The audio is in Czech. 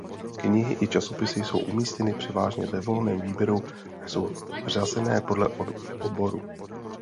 Knihy i časopisy jsou umístěny převážně ve volném výběru a jsou řazené podle oborů.